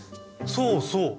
そうそう！